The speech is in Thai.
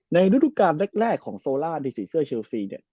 ในรูปรูกการแรกของโซล่าดิสีเสื้อเชียลซีเนี่ย